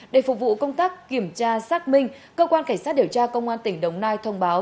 để phục vụ công tác kiểm tra xác minh cơ quan cảnh sát điều tra công an tỉnh đồng nai thông báo